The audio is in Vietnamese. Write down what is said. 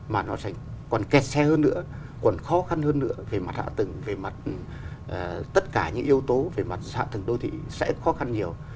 mà nó sẽ còn kẹt xe hơn nữa còn khó khăn hơn nữa về mặt hạ tầng về mặt tất cả những yếu tố về mặt hạ tầng đô thị sẽ khó khăn nhiều